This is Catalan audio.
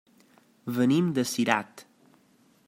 Venim de Cirat.